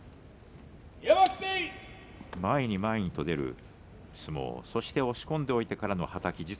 前に前にと出る相撲そして押し込んでおいてからのはたき。